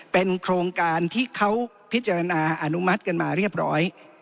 เป็นโครงการที่เขาพิจารณาอนุมัติกันมาเรียบร้อย